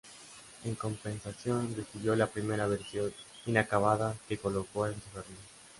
En compensación, recibió la primera versión inacabada, que colocó en su jardín.